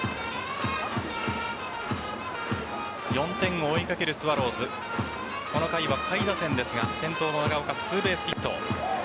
４点を追いかけるスワローズこの回は下位打線ですが先頭の長岡、ツーベースヒット。